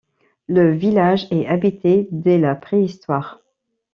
Le village est habité dès la préhistoire.